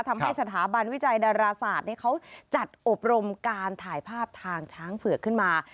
ทำให้สถาบันวิจัยดาราศาสตร์เขาจัดอบรมการถ่ายภาพทางช้างเผือกขึ้นมา